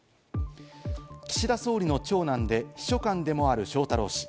岸田総理の長男で、秘書官でもある翔太郎氏。